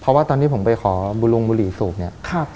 เพราะว่าตอนที่ผมไปขอบุรุงบุหรี่สูบเนี่ย